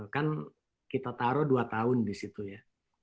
kan kita taruh dua tahun di situ ya